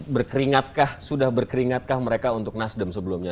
berkeringatkah sudah berkeringatkah mereka untuk nasdem sebelumnya